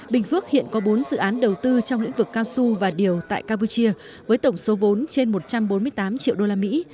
bình phước hiện có bốn dự án đầu tư trong lĩnh vực cao su và điều tại campuchia với tổng số vốn trên một trăm bốn mươi tám triệu đô la mỹ